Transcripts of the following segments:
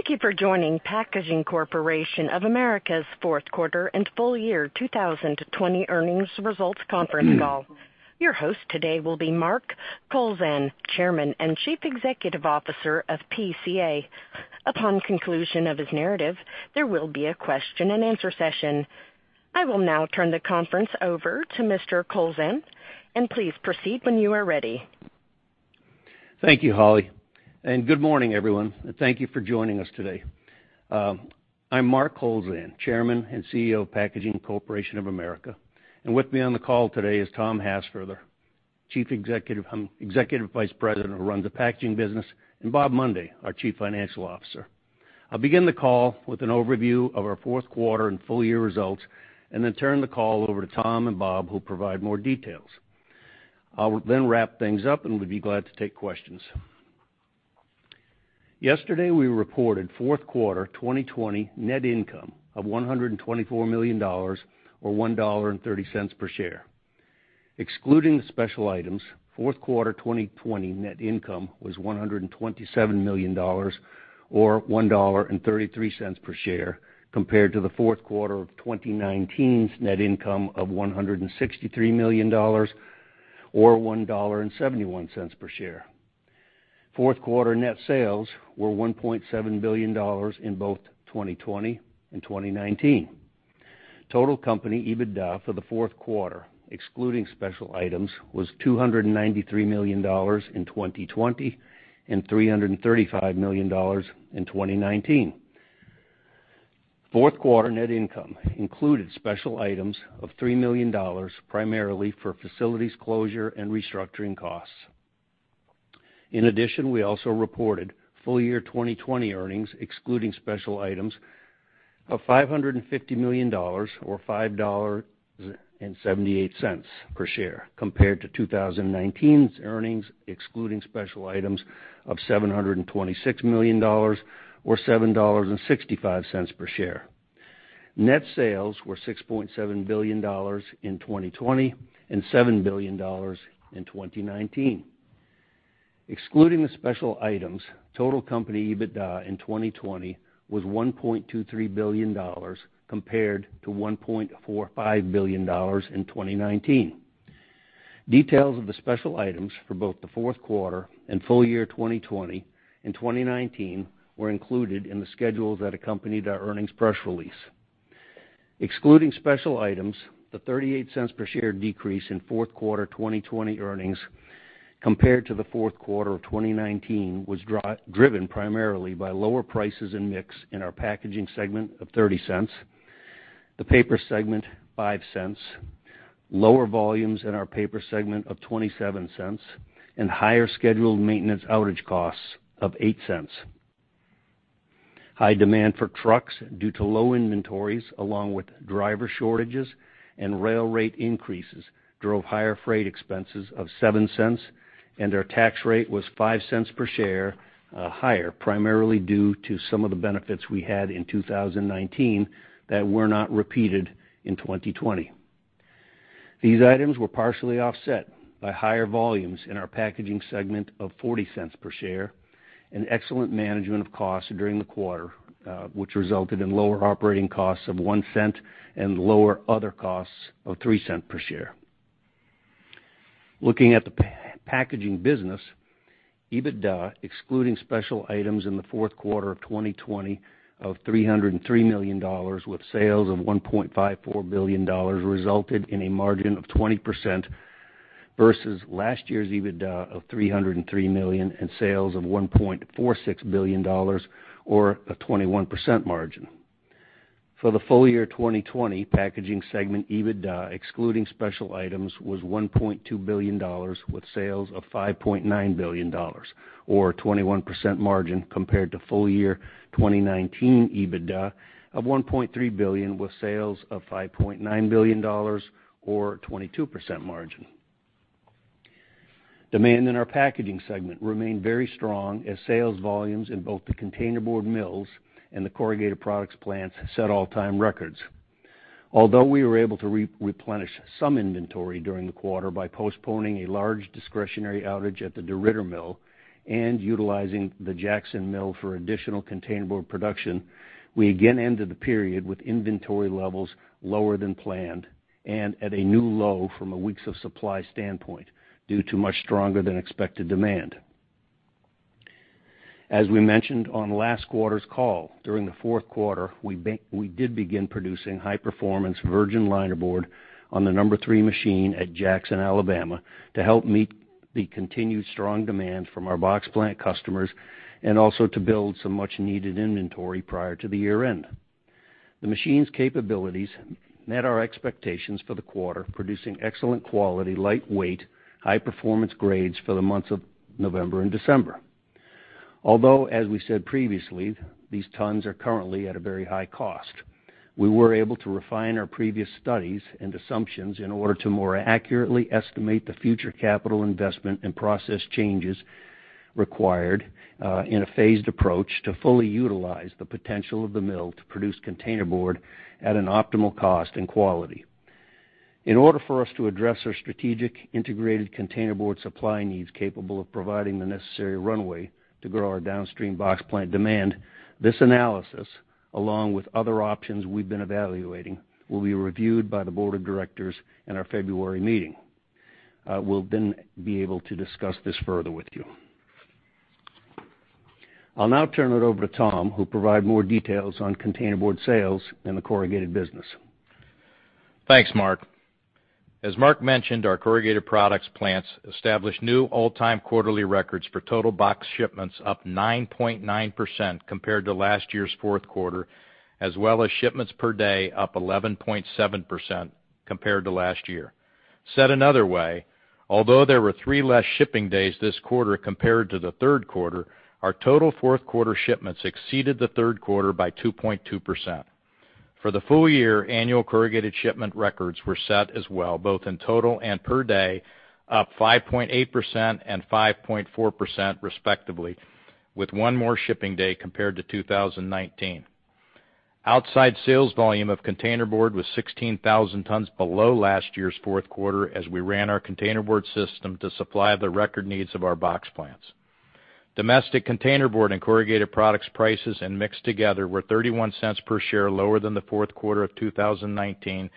Thank you for joining Packaging Corporation of America's Fourth Quarter and Full Year 2020 Earnings Results Conference Call. Your host today will be Mark W. Kowlzan, Chairman and Chief Executive Officer of PCA. Upon conclusion of his narrative, there will be a question and answer session. I will now turn the conference over to Mr. Kowlzan, and please proceed when you are ready. Thank you, Holly, and good morning everyone, and thank you for joining us today. I'm Mark W. Kowlzan, Chairman and CEO of Packaging Corporation of America, and with me on the call today is Tom Hassfurther, Executive Vice President who runs the packaging business, and Bob Mundy, our Chief Financial Officer. I'll begin the call with an overview of our fourth quarter and full year results, and then turn the call over to Tom and Bob who will provide more details. I'll then wrap things up, and we'd be glad to take questions. Yesterday we reported fourth quarter 2020 net income of $124 million, or $1.30 per share. Excluding the special items, fourth quarter 2020 net income was $127 million, or $1.33 per share, compared to the fourth quarter of 2019's net income of $163 million, or $1.71 per share. Fourth quarter net sales were $1.7 billion in both 2020 and 2019. Total company EBITDA for the fourth quarter, excluding special items, was $293 million in 2020 and $335 million in 2019. Fourth quarter net income included special items of $3 million, primarily for facilities closure and restructuring costs. In addition, we also reported full year 2020 earnings, excluding special items, of $550 million, or $5.78 per share, compared to 2019's earnings, excluding special items, of $726 million, or $7.65 per share. Net sales were $6.7 billion in 2020 and $7 billion in 2019. Excluding the special items, total company EBITDA in 2020 was $1.23 billion, compared to $1.45 billion in 2019. Details of the special items for both the fourth quarter and full year 2020 and 2019 were included in the schedules that accompanied our earnings press release. Excluding special items, the $0.38 per share decrease in fourth quarter 2020 earnings, compared to the fourth quarter of 2019, was driven primarily by lower prices and mix in our packaging segment of $0.30, the paper segment of $0.05, lower volumes in our paper segment of $0.27, and higher scheduled maintenance outage costs of $0.08. High demand for trucks due to low inventories, along with driver shortages and rail rate increases, drove higher freight expenses of $0.07, and our tax rate was $0.05 per share higher, primarily due to some of the benefits we had in 2019 that were not repeated in 2020. These items were partially offset by higher volumes in our packaging segment of $0.40 per share and excellent management of costs during the quarter, which resulted in lower operating costs of $0.01 and lower other costs of $0.03 per share. Looking at the packaging business, EBITDA, excluding special items in the fourth quarter of 2020 of $303 million, with sales of $1.54 billion, resulted in a margin of 20% versus last year's EBITDA of $303 million and sales of $1.46 billion, or a 21% margin. For the full year 2020, packaging segment EBITDA, excluding special items, was $1.2 billion, with sales of $5.9 billion, or a 21% margin, compared to full year 2019 EBITDA of $1.3 billion, with sales of $5.9 billion, or a 22% margin. Demand in our packaging segment remained very strong as sales volumes in both the containerboard mills and the corrugated products plants set all-time records. Although we were able to replenish some inventory during the quarter by postponing a large discretionary outage at the DeRidder Mill and utilizing the Jackson Mill for additional containerboard production, we again ended the period with inventory levels lower than planned and at a new low from a weeks of supply standpoint due to much stronger than expected demand. As we mentioned on last quarter's call, during the fourth quarter, we did begin producing high-performance virgin linerboard on the number three machine at Jackson, Alabama, to help meet the continued strong demand from our box plant customers and also to build some much-needed inventory prior to the year-end. The machine's capabilities met our expectations for the quarter, producing excellent quality, lightweight, high-performance grades for the months of November and December. Although, as we said previously, these tons are currently at a very high cost, we were able to refine our previous studies and assumptions in order to more accurately estimate the future capital investment and process changes required in a phased approach to fully utilize the potential of the mill to produce containerboard at an optimal cost and quality. In order for us to address our strategic integrated containerboard supply needs capable of providing the necessary runway to grow our downstream box plant demand, this analysis, along with other options we've been evaluating, will be reviewed by the board of directors in our February meeting. We'll then be able to discuss this further with you. I'll now turn it over to Tom, who will provide more details on containerboard sales in the corrugated business. Thanks, Mark. As Mark mentioned, our corrugated products plants established new all-time quarterly records for total box shipments, up 9.9% compared to last year's fourth quarter, as well as shipments per day up 11.7% compared to last year. Said another way, although there were three less shipping days this quarter compared to the third quarter, our total fourth quarter shipments exceeded the third quarter by 2.2%. For the full year, annual corrugated shipment records were set as well, both in total and per day, up 5.8% and 5.4% respectively, with one more shipping day compared to 2019. Outside sales volume of containerboard was 16,000 tons below last year's fourth quarter as we ran our containerboard system to supply the record needs of our box plants. Domestic containerboard and corrugated products prices and mix together were $0.31 per share lower than the fourth quarter of 2019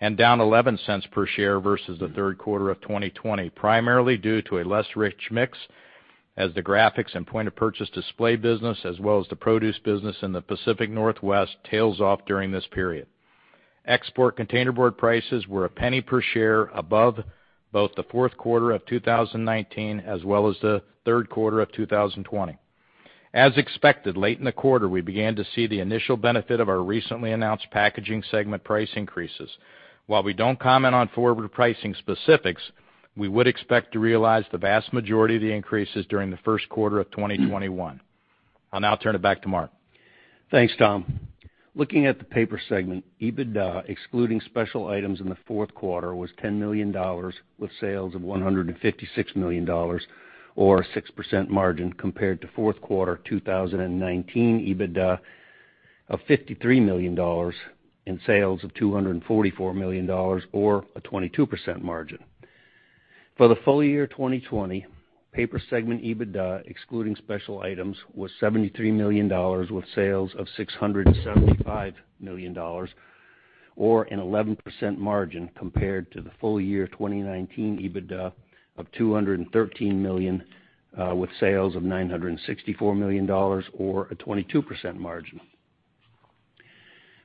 and down $0.11 per share versus the third quarter of 2020, primarily due to a less rich mix as the graphics and point of purchase display business, as well as the produce business in the Pacific Northwest, tails off during this period. Export containerboard prices were a penny per share above both the fourth quarter of 2019 as well as the third quarter of 2020. As expected, late in the quarter, we began to see the initial benefit of our recently announced packaging segment price increases. While we don't comment on forward pricing specifics, we would expect to realize the vast majority of the increases during the first quarter of 2021. I'll now turn it back to Mark. Thanks, Tom. Looking at the paper segment, EBITDA, excluding special items in the fourth quarter, was $10 million, with sales of $156 million, or a 6% margin, compared to fourth quarter 2019 EBITDA of $53 million and sales of $244 million, or a 22% margin. For the full year 2020, paper segment EBITDA, excluding special items, was $73 million, with sales of $675 million, or an 11% margin, compared to the full year 2019 EBITDA of $213 million, with sales of $964 million, or a 22% margin.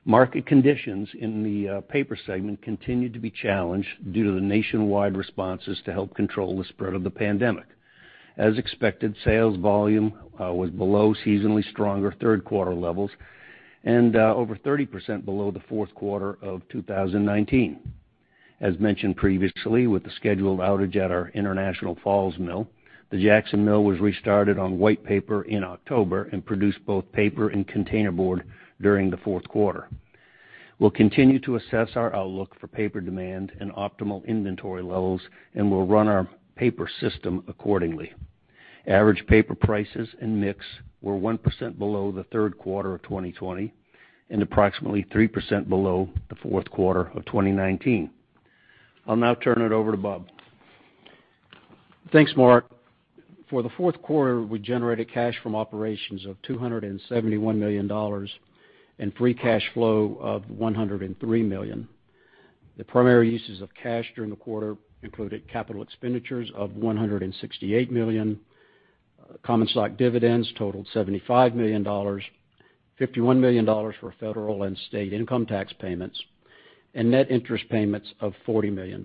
Market conditions in the paper segment continued to be challenged due to the nationwide responses to help control the spread of the pandemic. As expected, sales volume was below seasonally stronger third quarter levels and over 30% below the fourth quarter of 2019. As mentioned previously, with the scheduled outage at our International Falls Mill, the Jackson Mill was restarted on white paper in October and produced both paper and containerboard during the fourth quarter. We'll continue to assess our outlook for paper demand and optimal inventory levels, and we'll run our paper system accordingly. Average paper prices and mix were 1% below the third quarter of 2020 and approximately 3% below the fourth quarter of 2019. I'll now turn it over to Bob. Thanks, Mark. For the fourth quarter, we generated cash from operations of $271 million and free cash flow of $103 million. The primary uses of cash during the quarter included capital expenditures of $168 million, common stock dividends totaled $75 million, $51 million for federal and state income tax payments, and net interest payments of $40 million.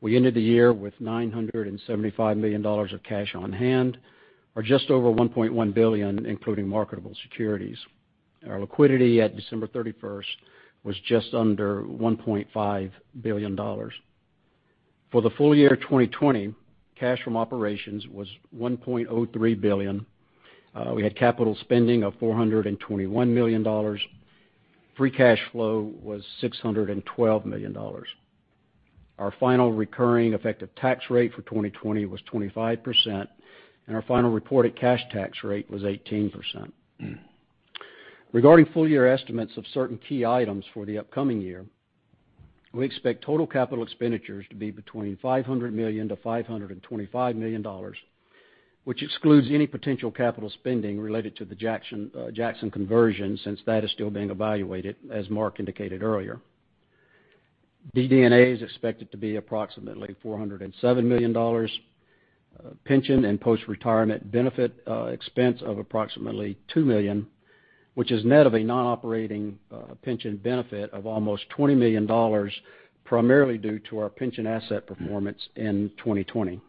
We ended the year with $975 million of cash on hand, or just over $1.1 billion, including marketable securities. Our liquidity at December 31st was just under $1.5 billion. For the full year 2020, cash from operations was $1.03 billion. We had capital spending of $421 million. Free cash flow was $612 million. Our final recurring effective tax rate for 2020 was 25%, and our final reported cash tax rate was 18%. Regarding full year estimates of certain key items for the upcoming year, we expect total capital expenditures to be between $500 million-$525 million, which excludes any potential capital spending related to the Jackson conversion since that is still being evaluated, as Mark indicated earlier. DD&A is expected to be approximately $407 million. Pension and post-retirement benefit expense of approximately $2 million, which is net of a non-operating pension benefit of almost $20 million, primarily due to our pension asset performance in 2020.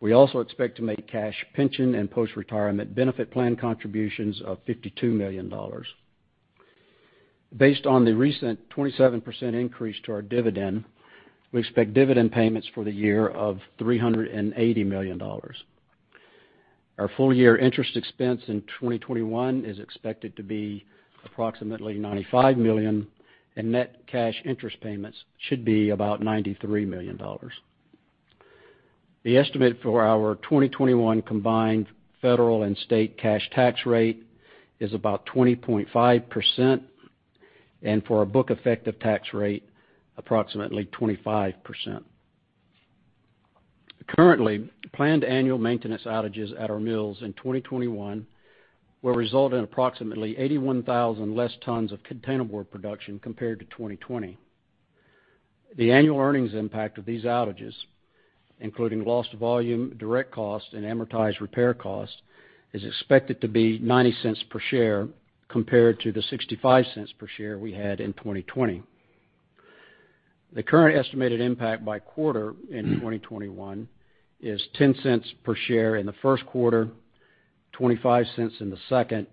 We also expect to make cash pension and post-retirement benefit plan contributions of $52 million. Based on the recent 27% increase to our dividend, we expect dividend payments for the year of $380 million. Our full year interest expense in 2021 is expected to be approximately $95 million, and net cash interest payments should be about $93 million. The estimate for our 2021 combined federal and state cash tax rate is about 20.5%, and for our book effective tax rate, approximately 25%. Currently, planned annual maintenance outages at our mills in 2021 will result in approximately 81,000 less tons of containerboard production compared to 2020. The annual earnings impact of these outages, including loss to volume, direct cost, and amortized repair cost, is expected to be $0.90 per share compared to the $0.65 per share we had in 2020. The current estimated impact by quarter in 2021 is $0.10 per share in the first quarter, $0.25 in the second,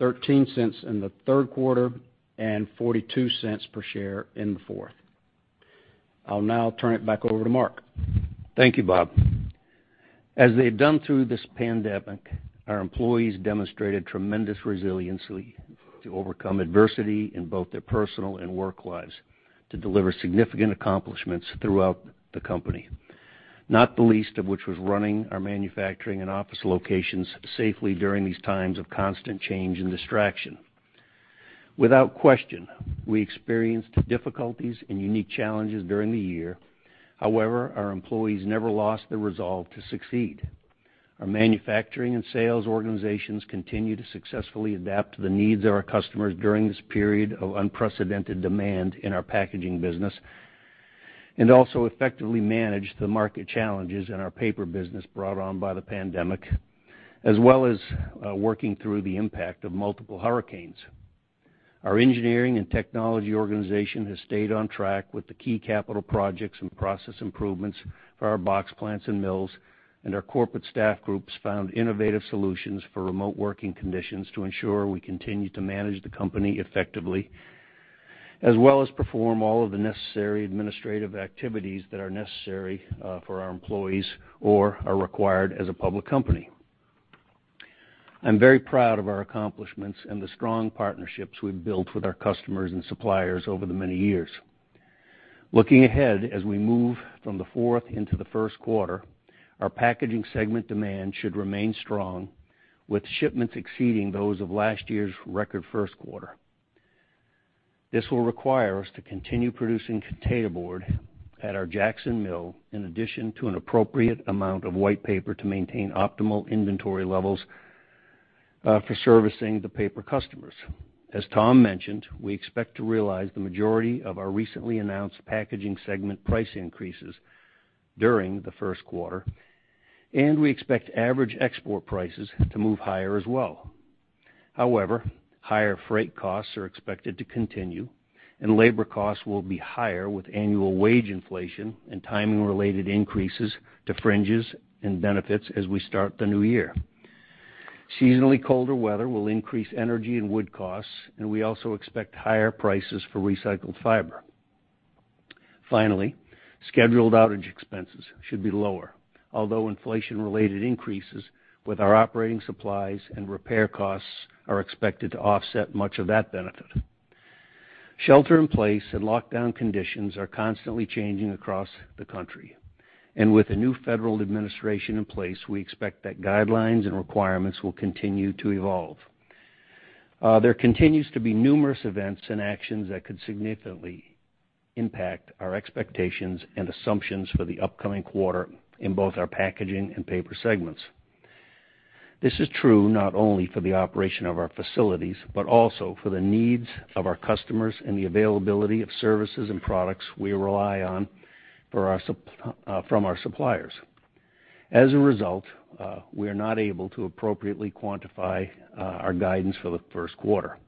$0.13 in the third quarter, and $0.42 per share in the fourth. I'll now turn it back over to Mark. Thank you, Bob. As they've done through this pandemic, our employees demonstrated tremendous resiliency to overcome adversity in both their personal and work lives to deliver significant accomplishments throughout the company, not the least of which was running our manufacturing and office locations safely during these times of constant change and distraction. Without question, we experienced difficulties and unique challenges during the year. However, our employees never lost the resolve to succeed. Our manufacturing and sales organizations continue to successfully adapt to the needs of our customers during this period of unprecedented demand in our packaging business and also effectively manage the market challenges in our paper business brought on by the pandemic, as well as working through the impact of multiple hurricanes. Our engineering and technology organization has stayed on track with the key capital projects and process improvements for our box plants and mills, and our corporate staff groups found innovative solutions for remote working conditions to ensure we continue to manage the company effectively, as well as perform all of the necessary administrative activities that are necessary for our employees or are required as a public company. I'm very proud of our accomplishments and the strong partnerships we've built with our customers and suppliers over the many years. Looking ahead as we move from the fourth into the first quarter, our packaging segment demand should remain strong, with shipments exceeding those of last year's record first quarter. This will require us to continue producing containerboard at our Jackson Mill in addition to an appropriate amount of white paper to maintain optimal inventory levels for servicing the paper customers. As Tom mentioned, we expect to realize the majority of our recently announced packaging segment price increases during the first quarter, and we expect average export prices to move higher as well. However, higher freight costs are expected to continue, and labor costs will be higher with annual wage inflation and timing-related increases to fringes and benefits as we start the new year. Seasonally colder weather will increase energy and wood costs, and we also expect higher prices for recycled fiber. Finally, scheduled outage expenses should be lower, although inflation-related increases with our operating supplies and repair costs are expected to offset much of that benefit. Shelter-in-place and lockdown conditions are constantly changing across the country, and with a new federal administration in place, we expect that guidelines and requirements will continue to evolve. There continues to be numerous events and actions that could significantly impact our expectations and assumptions for the upcoming quarter in both our packaging and paper segments. This is true not only for the operation of our facilities, but also for the needs of our customers and the availability of services and products we rely on from our suppliers. As a result, we are not able to appropriately quantify our guidance for the first quarter.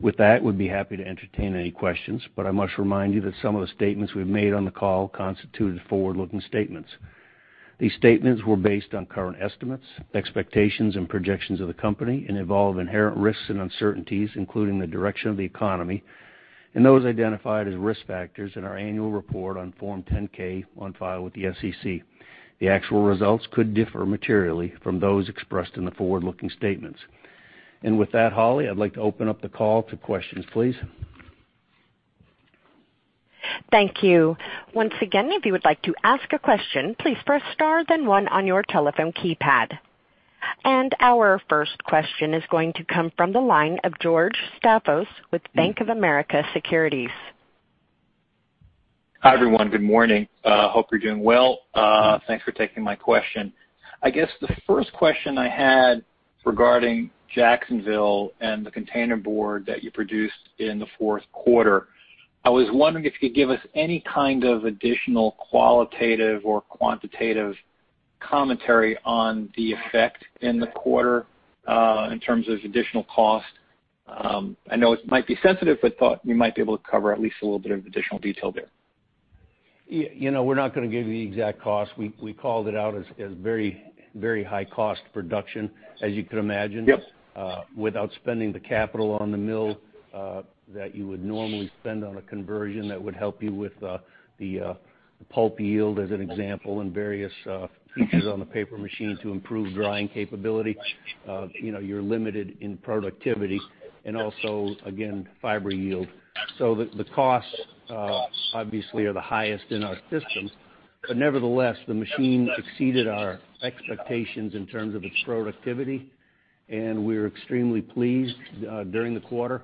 With that, we'd be happy to entertain any questions, but I must remind you that some of the statements we've made on the call constituted forward-looking statements. These statements were based on current estimates, expectations, and projections of the company and involve inherent risks and uncertainties, including the direction of the economy and those identified as risk factors in our annual report on Form 10-K on file with the SEC. The actual results could differ materially from those expressed in the forward-looking statements, and with that, Holly, I'd like to open up the call to questions, please. Thank you. Once again, if you would like to ask a question, please press star then one on your telephone keypad. And our first question is going to come from the line of George Staphos with Bank of America Securities. Hi, everyone. Good morning. Hope you're doing well. Thanks for taking my question. I guess the first question I had regarding Jackson and the containerboard that you produced in the fourth quarter. I was wondering if you could give us any kind of additional qualitative or quantitative commentary on the effect in the quarter in terms of additional cost. I know it might be sensitive, but thought you might be able to cover at least a little bit of additional detail there. You know, we're not going to give you the exact cost. We called it out as very, very high-cost production, as you could imagine, without spending the capital on the mill that you would normally spend on a conversion that would help you with the pulp yield, as an example, and various features on the paper machine to improve drying capability. You're limited in productivity and also, again, fiber yield. So the costs, obviously, are the highest in our system. But nevertheless, the machine exceeded our expectations in terms of its productivity, and we're extremely pleased. During the quarter,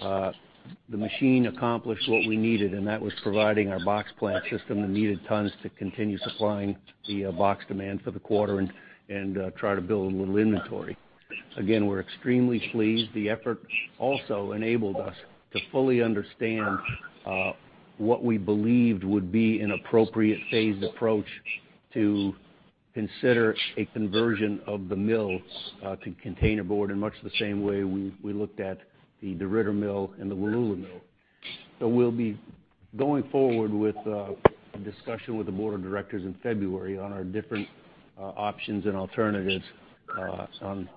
the machine accomplished what we needed, and that was providing our box plant system that needed tons to continue supplying the box demand for the quarter and try to build a little inventory. Again, we're extremely pleased. The effort also enabled us to fully understand what we believed would be an appropriate phased approach to consider a conversion of the mill to containerboard in much the same way we looked at the DeRidder Mill and the Wallula Mill. So we'll be going forward with a discussion with the board of directors in February on our different options and alternatives on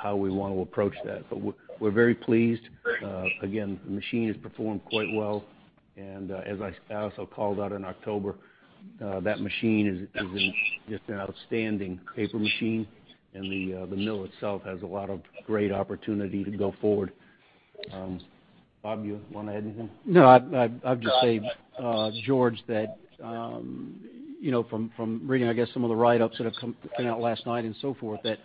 how we want to approach that. But we're very pleased. Again, the machine has performed quite well. And as I also called out in October, that machine is just an outstanding paper machine, and the mill itself has a lot of great opportunity to go forward. Bob, you want to add anything? No, I've just said, George, that from reading, I guess, some of the write-ups that have come out last night and so forth, that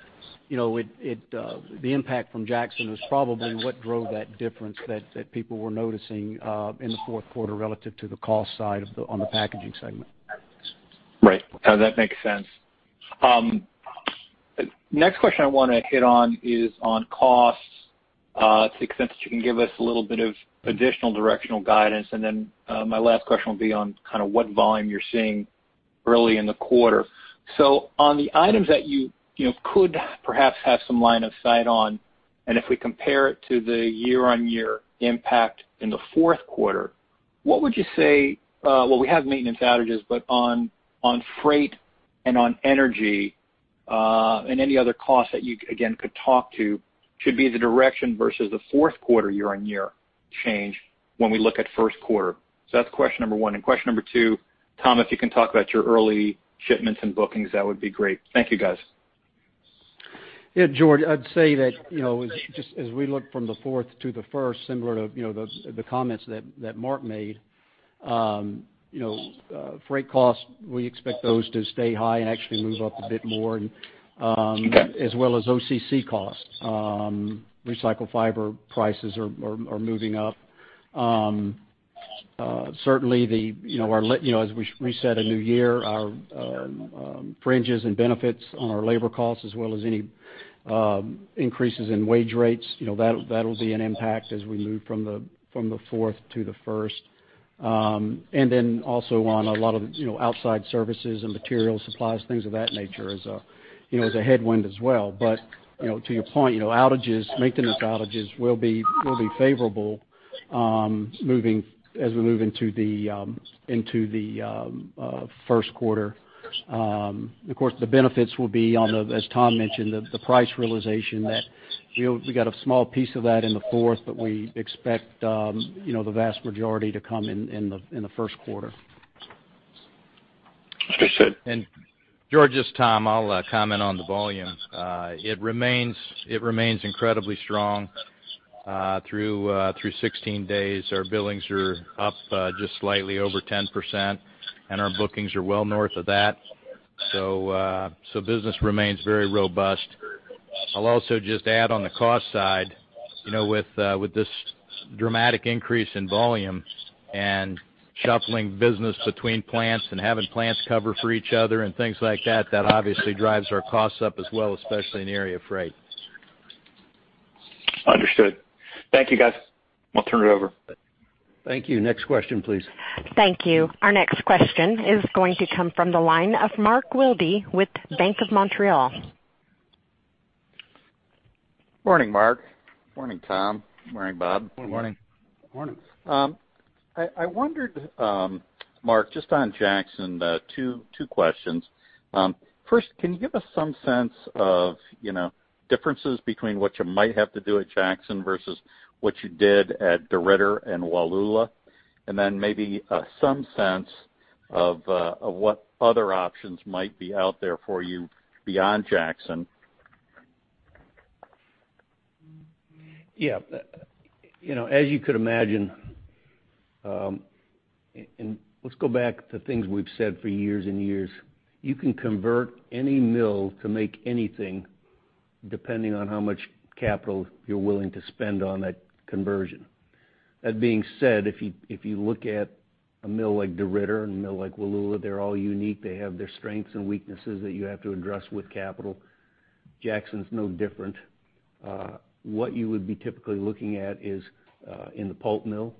the impact from Jackson was probably what drove that difference that people were noticing in the fourth quarter relative to the cost side on the packaging segment. Right. That makes sense. Next question I want to hit on is on cost, to the extent that you can give us a little bit of additional directional guidance, and then my last question will be on kind of what volume you're seeing early in the quarter, so on the items that you could perhaps have some line of sight on, and if we compare it to the year-on-year impact in the fourth quarter, what would you say, well, we have maintenance outages, but on freight and on energy and any other costs that you, again, could talk to, should be the direction versus the fourth quarter year-on-year change when we look at first quarter, so that's question number one, and question number two, Tom, if you can talk about your early shipments and bookings, that would be great. Thank you, guys. Yeah, George, I'd say that just as we look from the fourth to the first, similar to the comments that Mark made, freight costs, we expect those to stay high and actually move up a bit more, as well as OCC costs. Recycled fiber prices are moving up. Certainly, as we said, a new year, our fringes and benefits on our labor costs, as well as any increases in wage rates, that'll be an impact as we move from the fourth to the first. And then also on a lot of outside services and material supplies, things of that nature is a headwind as well. But to your point, outages, maintenance outages will be favorable as we move into the first quarter. Of course, the benefits will be, as Tom mentioned, the price realization that we got a small piece of that in the fourth, but we expect the vast majority to come in the first quarter. Understood. George's time, I'll comment on the volume. It remains incredibly strong through 16 days. Our billings are up just slightly over 10%, and our bookings are well north of that. So business remains very robust. I'll also just add on the cost side, with this dramatic increase in volume and shuffling business between plants and having plants cover for each other and things like that, that obviously drives our costs up as well, especially in area freight. Understood. Thank you, guys. I'll turn it over. Thank you. Next question, please. Thank you. Our next question is going to come from the line of Mark Wilde with Bank of Montreal. Morning, Mark. Morning, Tom. Morning, Bob. Morning. Morning. I wondered, Mark, just on Jackson, two questions. First, can you give us some sense of differences between what you might have to do at Jackson versus what you did at DeRidder and Wallula, and then maybe some sense of what other options might be out there for you beyond Jackson? Yeah. As you could imagine, and let's go back to things we've said for years and years, you can convert any mill to make anything depending on how much capital you're willing to spend on that conversion. That being said, if you look at a mill like DeRidder and a mill like Wallula, they're all unique. They have their strengths and weaknesses that you have to address with capital. Jackson's no different. What you would be typically looking at is in the pulp mill,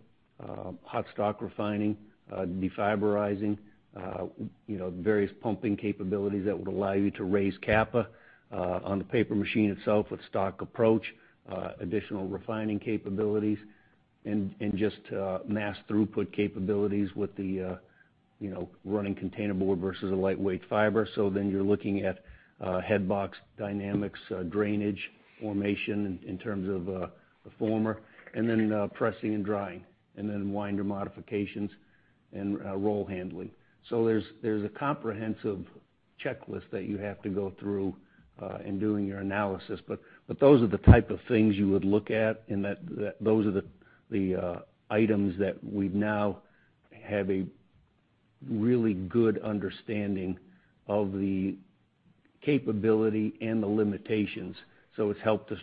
hot stock refining, defiberizing, various pumping capabilities that would allow you to raise capacity on the paper machine itself with stock approach, additional refining capabilities, and just mass throughput capabilities with the running containerboard versus a lightweight fiber. So then you're looking at headbox dynamics, drainage formation in terms of a former, and then pressing and drying, and then winder modifications and roll handling. There's a comprehensive checklist that you have to go through in doing your analysis. Those are the type of things you would look at, and those are the items that we now have a really good understanding of the capability and the limitations. It's helped us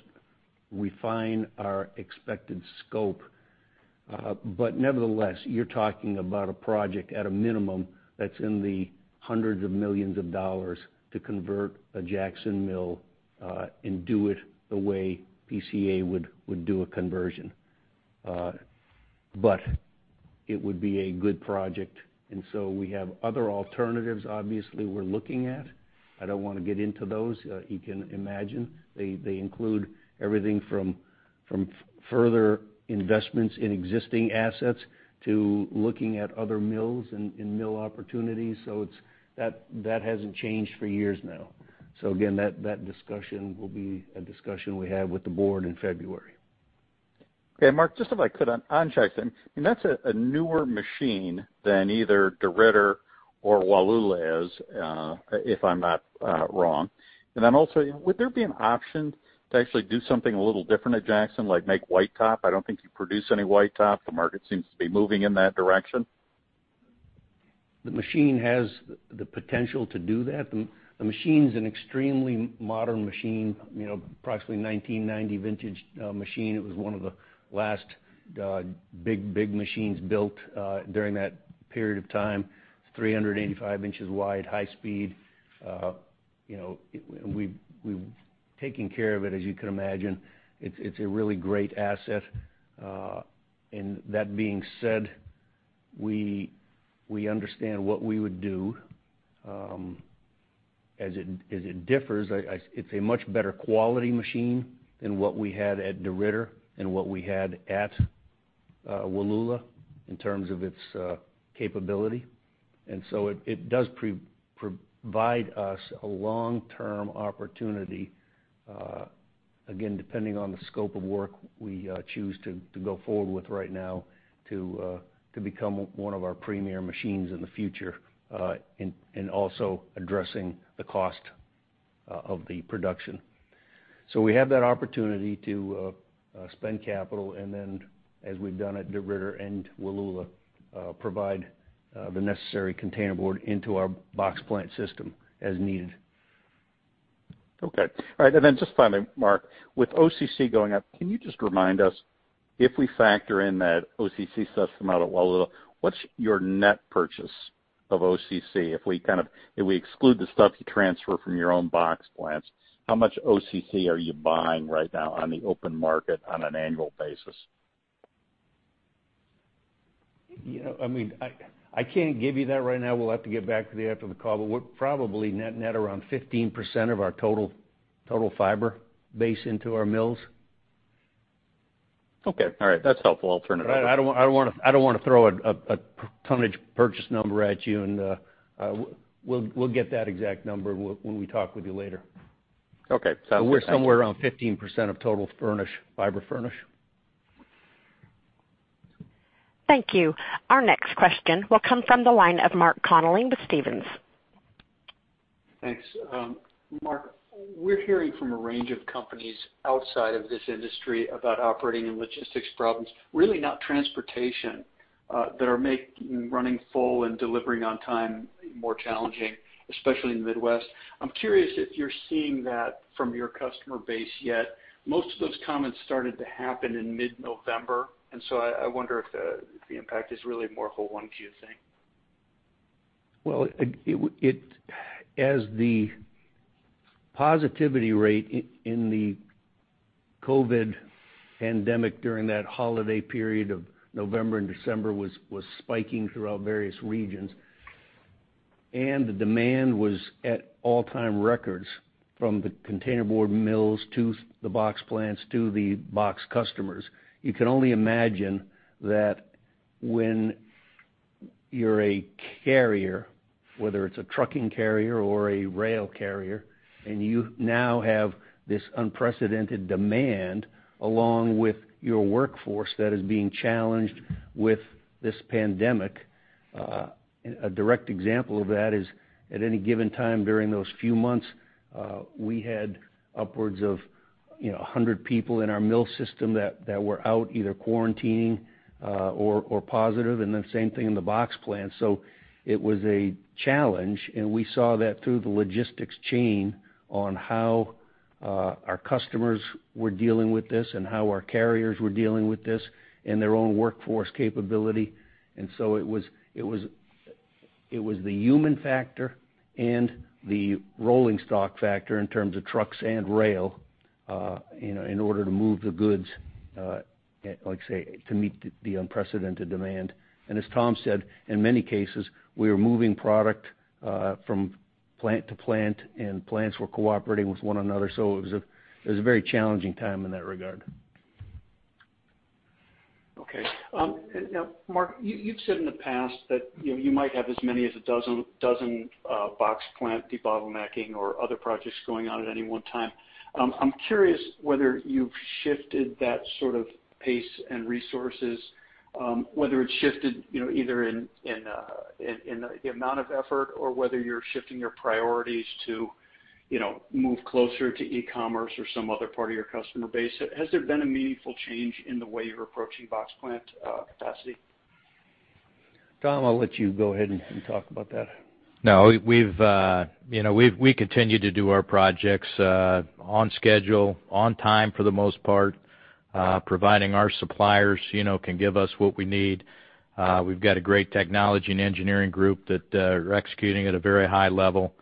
refine our expected scope. Nevertheless, you're talking about a project at a minimum that's in the hundreds of millions of dollars to convert a Jackson Mill and do it the way PCA would do a conversion. It would be a good project. We have other alternatives, obviously, we're looking at. I don't want to get into those. You can imagine. They include everything from further investments in existing assets to looking at other mills and mill opportunities. That hasn't changed for years now. So again, that discussion will be a discussion we have with the board in February. Okay, Mark, just if I could on Jackson, that's a newer machine than either DeRidder or Wallula is, if I'm not wrong. And then also, would there be an option to actually do something a little different at Jackson, like make white top? I don't think you produce any white top. The market seems to be moving in that direction. The machine has the potential to do that. The machine's an extremely modern machine, approximately 1990 vintage machine. It was one of the last big, big machines built during that period of time. It's 385 inches wide, high speed. And we've taken care of it, as you can imagine. It's a really great asset. And that being said, we understand what we would do. As it differs, it's a much better quality machine than what we had at DeRidder and what we had at Wallula in terms of its capability. And so it does provide us a long-term opportunity, again, depending on the scope of work we choose to go forward with right now to become one of our premier machines in the future and also addressing the cost of the production. We have that opportunity to spend capital, and then, as we've done at DeRidder and Wallula, provide the necessary containerboard into our box plant system as needed. Okay. All right. And then just finally, Mark, with OCC going up, can you just remind us, if we factor in that OCC stuff from out of Wallula, what's your net purchase of OCC? If we exclude the stuff you transfer from your own box plants, how much OCC are you buying right now on the open market on an annual basis? I mean, I can't give you that right now. We'll have to get back to you after the call, but we're probably net around 15% of our total fiber base into our mills. Okay. All right. That's helpful. I'll turn it over. I don't want to throw a percentage purchase number at you, and we'll get that exact number when we talk with you later. Okay. Sounds good. But we're somewhere around 15% of total fiber furnish. Thank you. Our next question will come from the line of Mark Connelly with Stephens. Thanks. Mark, we're hearing from a range of companies outside of this industry about operating and logistics problems, really not transportation, that are making running full and delivering on time more challenging, especially in the Midwest. I'm curious if you're seeing that from your customer base yet. Most of those comments started to happen in mid-November, and so I wonder if the impact is really more of a one-off thing. As the positivity rate in the COVID pandemic during that holiday period of November and December was spiking throughout various regions, and the demand was at all-time records from the containerboard mills to the box plants to the box customers, you can only imagine that when you're a carrier, whether it's a trucking carrier or a rail carrier, and you now have this unprecedented demand along with your workforce that is being challenged with this pandemic. A direct example of that is, at any given time during those few months, we had upwards of 100 people in our mill system that were out either quarantining or positive, and then same thing in the box plant. So it was a challenge, and we saw that through the logistics chain on how our customers were dealing with this and how our carriers were dealing with this and their own workforce capability. And so it was the human factor and the rolling stock factor in terms of trucks and rail in order to move the goods, like I say, to meet the unprecedented demand. And as Tom said, in many cases, we were moving product from plant to plant, and plants were cooperating with one another. So it was a very challenging time in that regard. Okay. Mark, you've said in the past that you might have as many as a dozen box plant debottlenecking or other projects going on at any one time. I'm curious whether you've shifted that sort of pace and resources, whether it's shifted either in the amount of effort or whether you're shifting your priorities to move closer to e-commerce or some other part of your customer base. Has there been a meaningful change in the way you're approaching box plant capacity? Tom, I'll let you go ahead and talk about that. No, we continue to do our projects on schedule, on time for the most part. Providing our suppliers can give us what we need. We've got a great technology and engineering group that are executing at a very high level.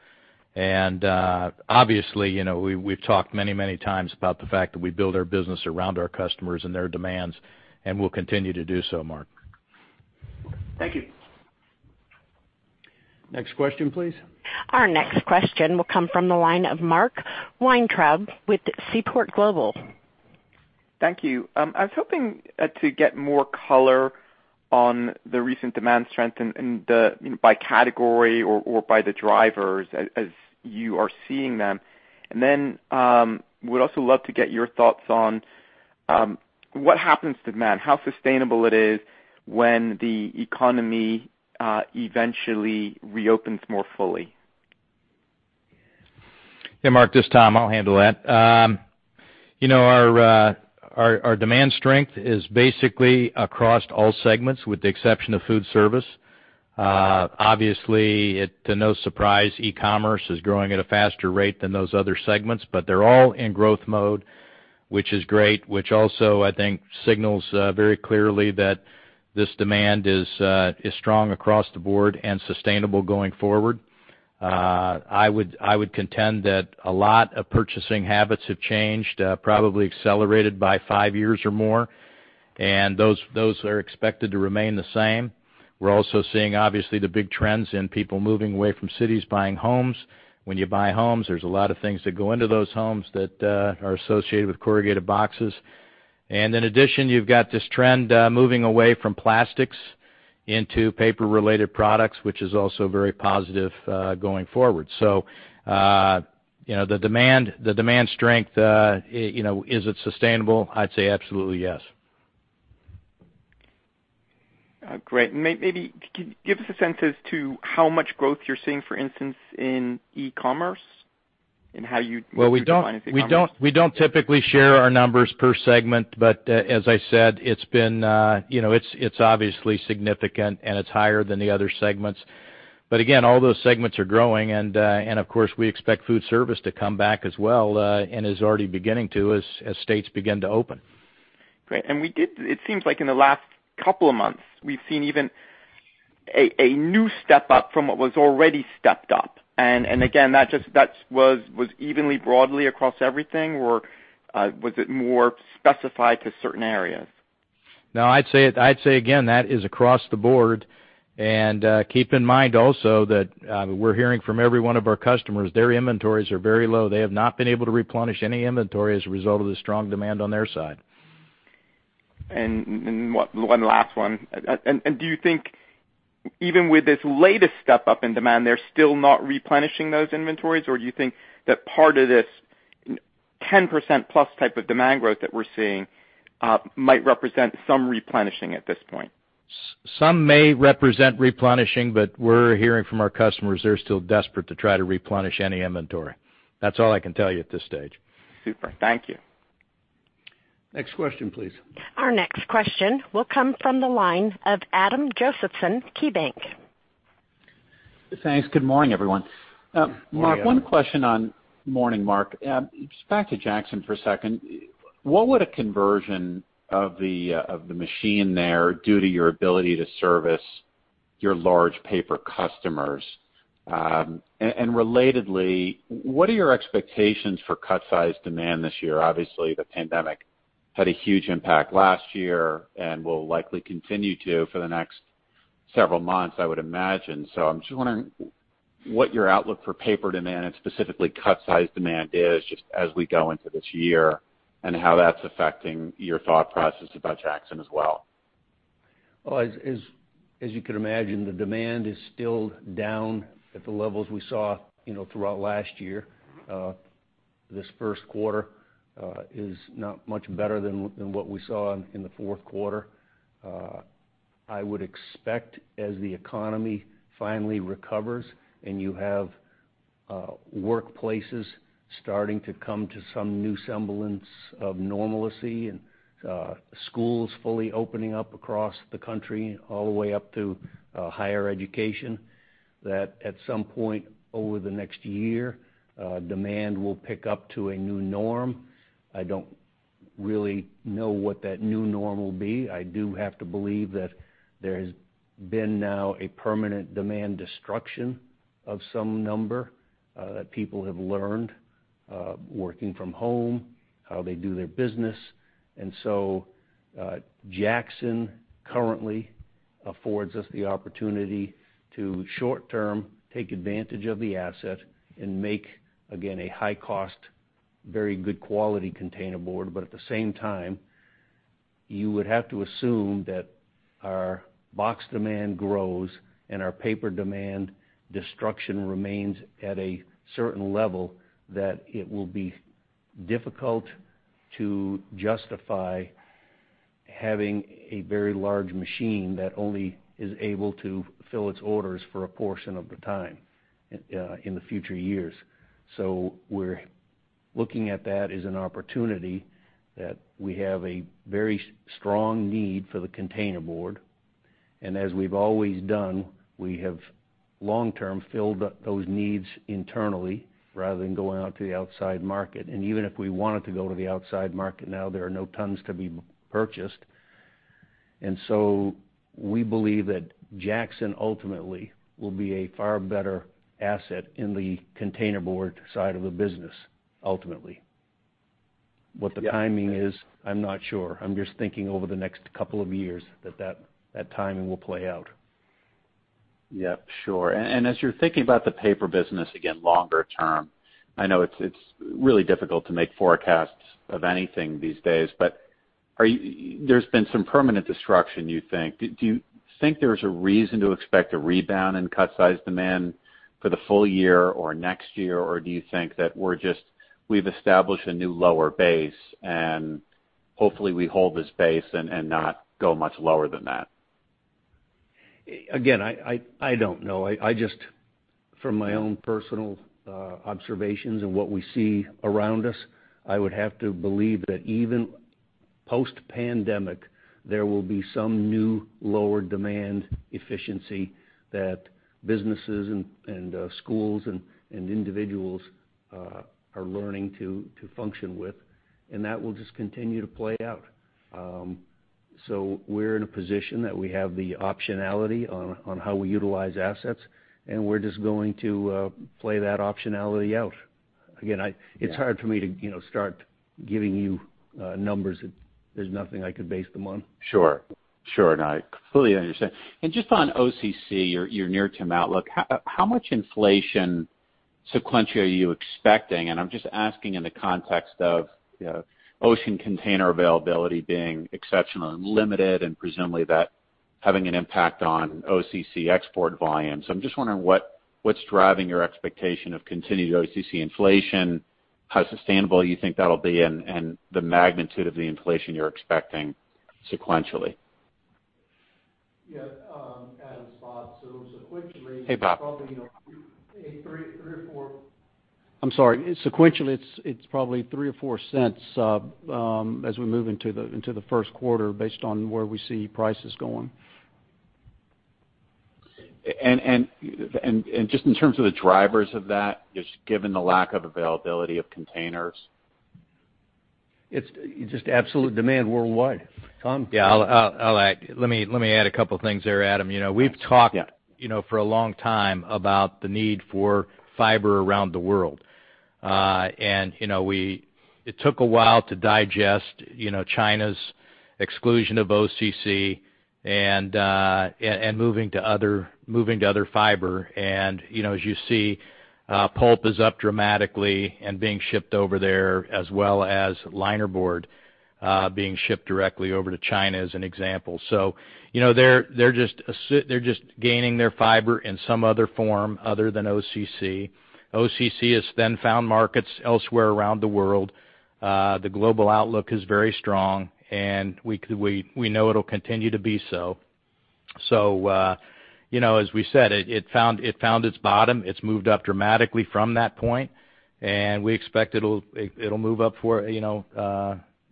And obviously, we've talked many, many times about the fact that we build our business around our customers and their demands, and we'll continue to do so, Mark. Thank you. Next question, please. Our next question will come from the line of Mark Weintraub with Seaport Global. Thank you. I was hoping to get more color on the recent demand strengthened by category or by the drivers as you are seeing them, and then we'd also love to get your thoughts on what happens to demand, how sustainable it is when the economy eventually reopens more fully. Yeah, Mark, just Tom, I'll handle that. Our demand strength is basically across all segments with the exception of food service. Obviously, to no surprise, e-commerce is growing at a faster rate than those other segments, but they're all in growth mode, which is great, which also, I think, signals very clearly that this demand is strong across the board and sustainable going forward. I would contend that a lot of purchasing habits have changed, probably accelerated by five years or more, and those are expected to remain the same. We're also seeing, obviously, the big trends in people moving away from cities, buying homes. When you buy homes, there's a lot of things that go into those homes that are associated with corrugated boxes. And in addition, you've got this trend moving away from plastics into paper-related products, which is also very positive going forward. So the demand strength, is it sustainable? I'd say absolutely yes. Great. Maybe can you give us a sense as to how much growth you're seeing, for instance, in e-commerce and how you're seeing the declines? We don't typically share our numbers per segment, but as I said, it's obviously significant, and it's higher than the other segments. But again, all those segments are growing, and of course, we expect food service to come back as well and is already beginning to as states begin to open. Great, and it seems like in the last couple of months, we've seen even a new step up from what was already stepped up, and again, that was evenly broadly across everything, or was it more specified to certain areas? No, I'd say again, that is across the board. And keep in mind also that we're hearing from every one of our customers. Their inventories are very low. They have not been able to replenish any inventory as a result of the strong demand on their side. One last one. Do you think even with this latest step up in demand, they're still not replenishing those inventories, or do you think that part of this 10% plus type of demand growth that we're seeing might represent some replenishing at this point? Some may represent replenishing, but we're hearing from our customers they're still desperate to try to replenish any inventory. That's all I can tell you at this stage. Super. Thank you. Next question, please. Our next question will come from the line of Adam Josephson, KeyBanc. Thanks. Good morning, everyone. Mark, one question this morning, Mark. Back to Jackson for a second. What would a conversion of the machine there do to your ability to service your large paper customers? And relatedly, what are your expectations for cut-size demand this year? Obviously, the pandemic had a huge impact last year and will likely continue to for the next several months, I would imagine. So I'm just wondering what your outlook for paper demand and specifically cut-size demand is just as we go into this year and how that's affecting your thought process about Jackson as well. As you can imagine, the demand is still down at the levels we saw throughout last year. This first quarter is not much better than what we saw in the fourth quarter. I would expect as the economy finally recovers and you have workplaces starting to come to some new semblance of normalcy and schools fully opening up across the country all the way up to higher education, that at some point over the next year, demand will pick up to a new norm. I don't really know what that new norm will be. I do have to believe that there has been now a permanent demand destruction of some number that people have learned working from home, how they do their business. And so Jackson currently affords us the opportunity to short-term take advantage of the asset and make, again, a high-cost, very good quality containerboard. But at the same time, you would have to assume that our box demand grows and our paper demand destruction remains at a certain level that it will be difficult to justify having a very large machine that only is able to fill its orders for a portion of the time in the future years. So we're looking at that as an opportunity that we have a very strong need for the containerboard. And as we've always done, we have long-term filled those needs internally rather than going out to the outside market. And even if we wanted to go to the outside market now, there are no tons to be purchased. And so we believe that Jackson ultimately will be a far better asset in the containerboard side of the business ultimately. What the timing is, I'm not sure. I'm just thinking over the next couple of years that that timing will play out. Yep. Sure. And as you're thinking about the paper business again longer term, I know it's really difficult to make forecasts of anything these days, but there's been some permanent destruction, you think. Do you think there's a reason to expect a rebound in cut-size demand for the full year or next year, or do you think that we've established a new lower base and hopefully we hold this base and not go much lower than that? Again, I don't know. From my own personal observations and what we see around us, I would have to believe that even post-pandemic, there will be some new lower demand efficiency that businesses and schools and individuals are learning to function with, and that will just continue to play out. So we're in a position that we have the optionality on how we utilize assets, and we're just going to play that optionality out. Again, it's hard for me to start giving you numbers. There's nothing I could base them on. Sure. Sure. No, I completely understand. And just on OCC, your near-term outlook, how much inflation sequentially are you expecting? And I'm just asking in the context of ocean container availability being exceptionally limited and presumably that having an impact on OCC export volumes. I'm just wondering what's driving your expectation of continued OCC inflation, how sustainable you think that'll be, and the magnitude of the inflation you're expecting sequentially. Yeah. Adam's thought. So sequentially, it's probably a three or four. I'm sorry. Sequentially, it's probably three or four cents as we move into the first quarter based on where we see prices going. Just in terms of the drivers of that, just given the lack of availability of containers. It's just absolute demand worldwide, Tom. Yeah. Let me add a couple of things there, Adam. We've talked for a long time about the need for fiber around the world. And it took a while to digest China's exclusion of OCC and moving to other fiber. And as you see, pulp is up dramatically and being shipped over there, as well as linerboard being shipped directly over to China as an example. So they're just gaining their fiber in some other form other than OCC. OCC has then found markets elsewhere around the world. The global outlook is very strong, and we know it'll continue to be so. So as we said, it found its bottom. It's moved up dramatically from that point, and we expect it'll move up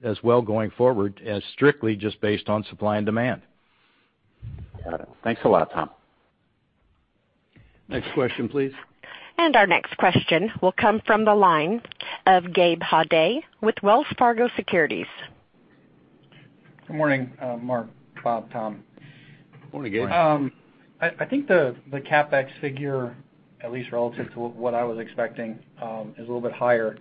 as well going forward as strictly just based on supply and demand. Got it. Thanks a lot, Tom. Next question, please. Our next question will come from the line of Gabe Hajde with Wells Fargo Securities. Good morning, Mark, Bob, Tom. Morning, Gabe. I think the CapEx figure, at least relative to what I was expecting, is a little bit higher.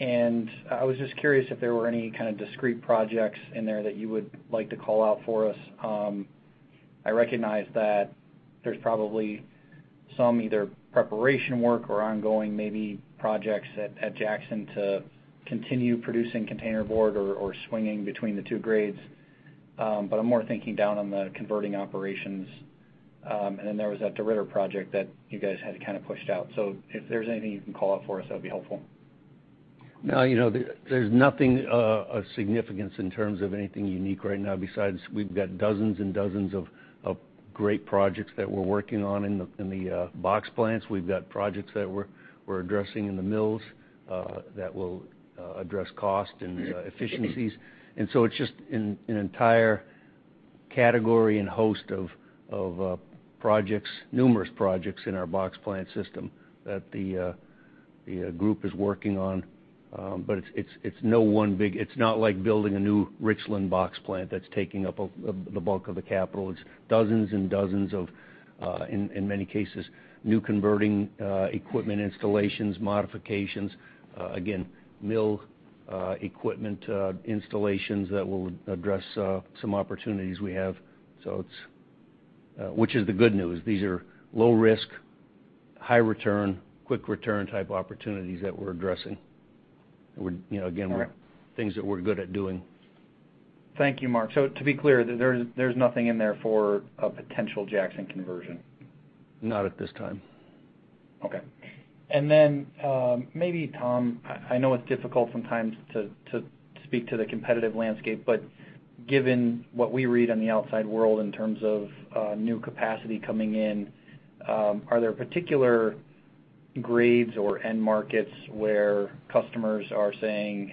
And I was just curious if there were any kind of discrete projects in there that you would like to call out for us. I recognize that there's probably some either preparation work or ongoing maybe projects at Jackson to continue producing containerboard or swinging between the two grades. But I'm more thinking down on the converting operations. And then there was that DeRidder project that you guys had kind of pushed out. So if there's anything you can call out for us, that would be helpful. Now, there's nothing of significance in terms of anything unique right now besides we've got dozens and dozens of great projects that we're working on in the box plants. We've got projects that we're addressing in the mills that will address cost and efficiencies. So it's just an entire category and host of projects, numerous projects in our box plant system that the group is working on. But it's no one big. It's not like building a new Richland box plant that's taking up the bulk of the capital. It's dozens and dozens of, in many cases, new converting equipment installations, modifications, again, mill equipment installations that will address some opportunities we have. So which is the good news. These are low-risk, high-return, quick-return type opportunities that we're addressing. Again, things that we're good at doing. Thank you, Mark. So to be clear, there's nothing in there for a potential Jackson conversion. Not at this time. Okay. And then maybe, Tom, I know it's difficult sometimes to speak to the competitive landscape, but given what we read on the outside world in terms of new capacity coming in, are there particular grades or end markets where customers are saying,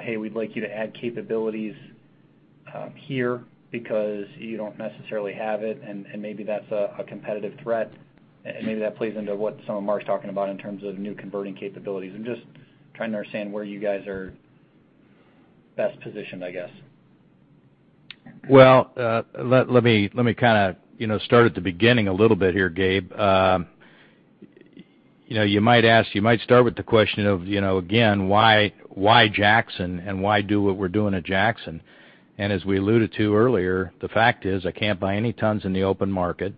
"Hey, we'd like you to add capabilities here because you don't necessarily have it," and maybe that's a competitive threat? And maybe that plays into what some of Mark's talking about in terms of new converting capabilities. I'm just trying to understand where you guys are best positioned, I guess. Let me kind of start at the beginning a little bit here, Gabe. You might start with the question of, again, why Jackson and why do what we're doing at Jackson? As we alluded to earlier, the fact is I can't buy any tons in the open market.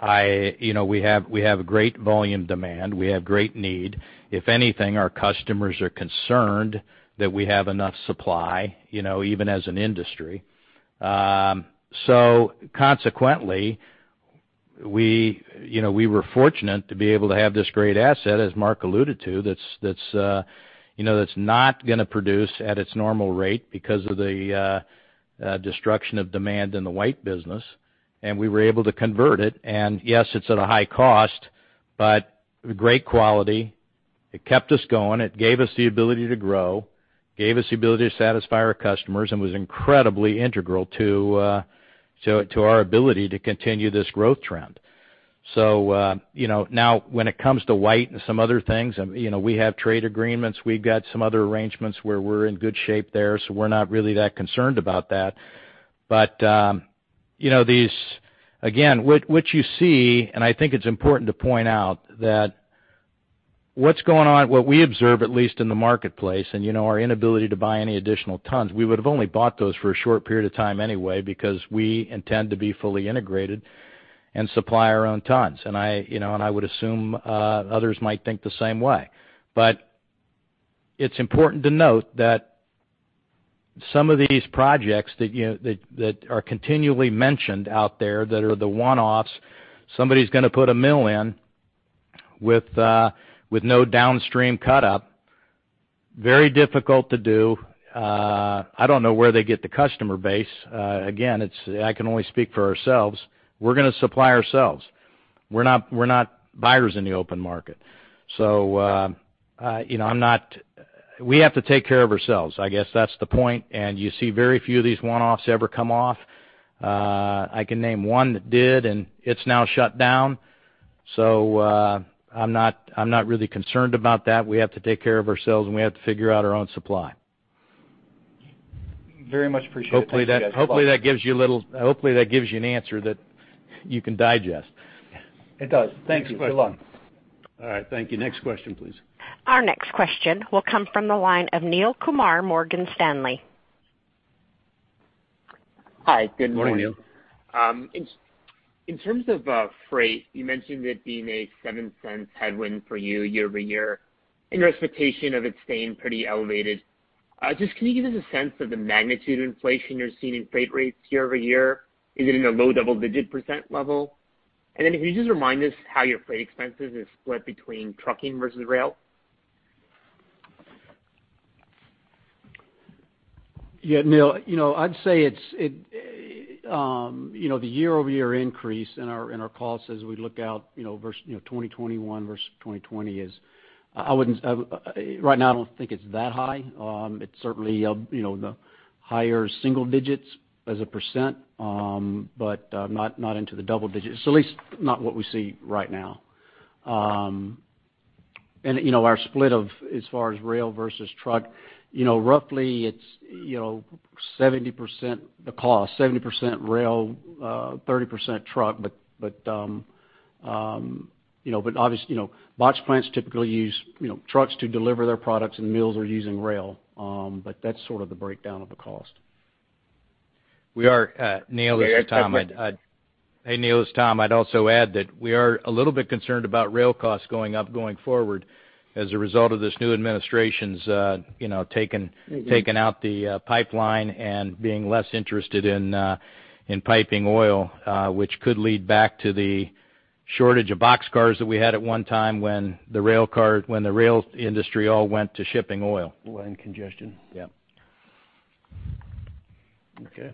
We have great volume demand. We have great need. If anything, our customers are concerned that we have enough supply, even as an industry. Consequently, we were fortunate to be able to have this great asset, as Mark alluded to, that's not going to produce at its normal rate because of the destruction of demand in the white business. We were able to convert it. Yes, it's at a high cost, but great quality. It kept us going. It gave us the ability to grow, gave us the ability to satisfy our customers, and was incredibly integral to our ability to continue this growth trend, so now when it comes to white and some other things, we have trade agreements. We've got some other arrangements where we're in good shape there, so we're not really that concerned about that, but again, what you see, and I think it's important to point out that what's going on, what we observe at least in the marketplace, and our inability to buy any additional tons, we would have only bought those for a short period of time anyway because we intend to be fully integrated and supply our own tons, and I would assume others might think the same way. But it's important to note that some of these projects that are continually mentioned out there that are the one-offs, somebody's going to put a mill in with no downstream cut-up, very difficult to do. I don't know where they get the customer base. Again, I can only speak for ourselves. We're going to supply ourselves. We're not buyers in the open market. So we have to take care of ourselves. I guess that's the point. And you see very few of these one-offs ever come off. I can name one that did, and it's now shut down. So I'm not really concerned about that. We have to take care of ourselves, and we have to figure out our own supply. Very much appreciate that. Hopefully, that gives you an answer that you can digest. It does. Thank you for your love. All right. Thank you. Next question, please. Our next question will come from the line of Neel Kumar Morgan Stanley. Hi. Good morning, Neel. In terms of freight, you mentioned it being a $0.07 headwind for you year over year, and your expectation of it staying pretty elevated. Just can you give us a sense of the magnitude of inflation you're seeing in freight rates year over year? Is it in a low double-digit % level? And then can you just remind us how your freight expenses are split between trucking versus rail? Yeah, Neel, I'd say the year-over-year increase in our costs as we look out versus 2021 versus 2020 is right now. I don't think it's that high. It's certainly the higher single digits as a percent, but not into the double digits. It's at least not what we see right now and our split as far as rail versus truck. Roughly it's 70% the cost, 70% rail, 30% truck but obviously, box plants typically use trucks to deliver their products, and mills are using rail and that's sort of the breakdown of the cost. We are Neil. It's Tom. Hey, Neel. It's Tom, I'd also add that we are a little bit concerned about rail costs going up going forward as a result of this new administration's taking out the pipeline and being less interested in piping oil, which could lead back to the shortage of box cars that we had at one time when the rail industry all went to shipping oil. Well, and congestion. Yeah. Okay.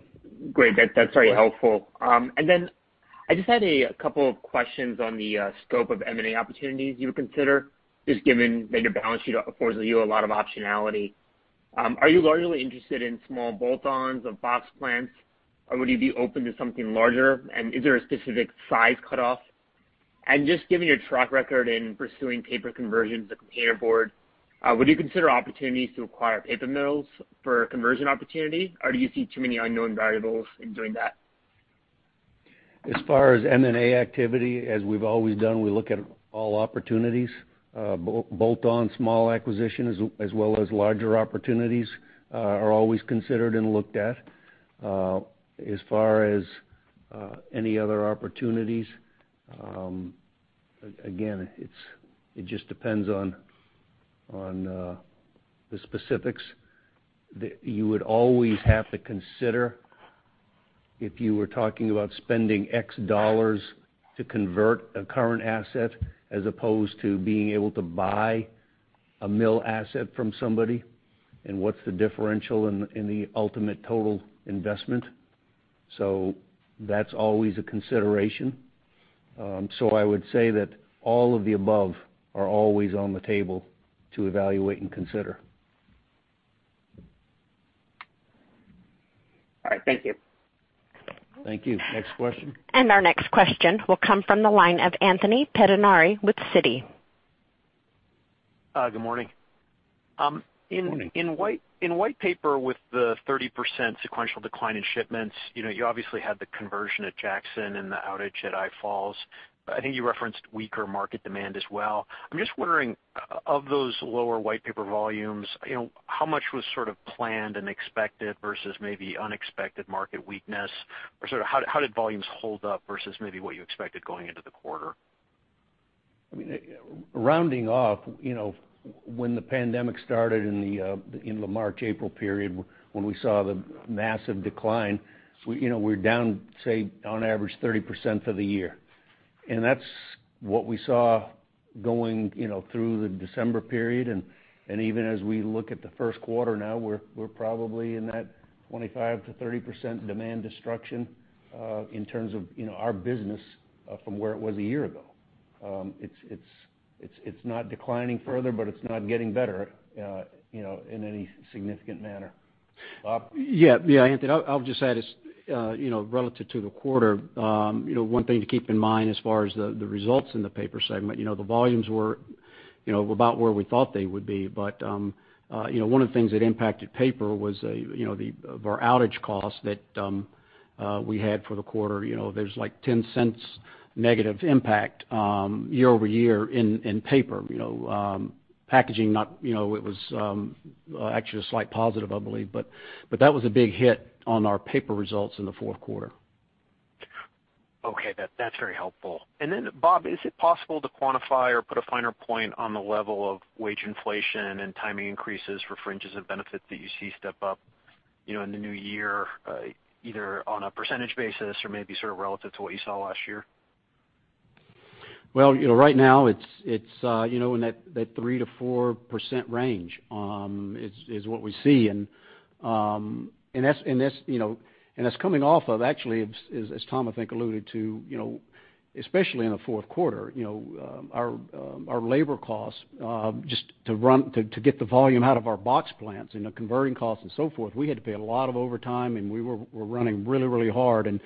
Great. That's very helpful, and then I just had a couple of questions on the scope of M&A opportunities you would consider, just given that your balance sheet affords you a lot of optionality. Are you largely interested in small bolt-ons of box plants, or would you be open to something larger? And is there a specific size cutoff? And just given your track record in pursuing paper conversions of containerboard, would you consider opportunities to acquire paper mills for conversion opportunity, or do you see too many unknown variables in doing that? As far as M&A activity, as we've always done, we look at all opportunities. Bolt-on small acquisitions as well as larger opportunities are always considered and looked at. As far as any other opportunities, again, it just depends on the specifics that you would always have to consider if you were talking about spending X dollars to convert a current asset as opposed to being able to buy a mill asset from somebody and what's the differential in the ultimate total investment. So that's always a consideration. So I would say that all of the above are always on the table to evaluate and consider. All right. Thank you. Thank you. Next question. Our next question will come from the line of Anthony Pettinari with Citi. Good morning. In white paper with the 30% sequential decline in shipments, you obviously had the conversion at Jackson and the outage at I-Falls. I think you referenced weaker market demand as well. I'm just wondering, of those lower white paper volumes, how much was sort of planned and expected versus maybe unexpected market weakness? Or how did volumes hold up versus maybe what you expected going into the quarter? I mean, rounding off, when the pandemic started in the March-April period, when we saw the massive decline, we were down, say, on average, 30% for the year. That's what we saw going through the December period. Even as we look at the first quarter now, we're probably in that 25%-30% demand destruction in terms of our business from where it was a year ago. It's not declining further, but it's not getting better in any significant manner. Yeah. Yeah, Anthony, I'll just add relative to the quarter, one thing to keep in mind as far as the results in the paper segment, the volumes were about where we thought they would be. One of the things that impacted paper was of our outage costs that we had for the quarter. There's like $0.10 negative impact year over year in paper. Packaging, it was actually a slight positive, I believe. But that was a big hit on our paper results in the fourth quarter. Okay. That's very helpful. And then, Bob, is it possible to quantify or put a finer point on the level of wage inflation and timing increases for fringes and benefits that you see step up in the new year, either on a percentage basis or maybe sort of relative to what you saw last year? Right now, it's in that 3%-4% range, is what we see. And that's coming off of, actually, as Tom, I think, alluded to, especially in the fourth quarter, our labor costs just to get the volume out of our box plants and the converting costs and so forth. We had to pay a lot of overtime, and we were running really, really hard. And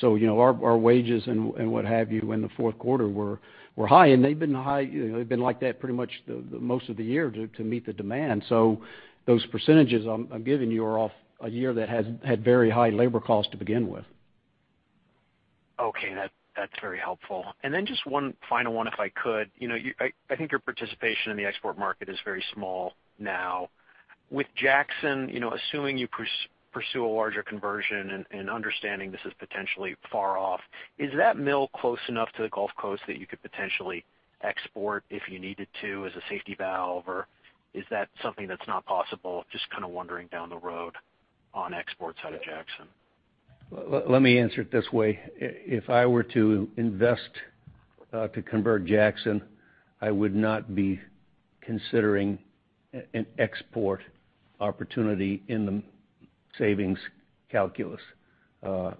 so our wages and what have you in the fourth quarter were high. And they've been high. They've been like that pretty much most of the year to meet the demand. So those percentages I'm giving you are off a year that had very high labor costs to begin with. Okay. That's very helpful. And then just one final one, if I could. I think your participation in the export market is very small now. With Jackson, assuming you pursue a larger conversion and understanding this is potentially far off, is that mill close enough to the Gulf Coast that you could potentially export if you needed to as a safety valve, or is that something that's not possible, just kind of wondering down the road on exports out of Jackson? Let me answer it this way. If I were to invest to convert Jackson, I would not be considering an export opportunity in the savings calculus. A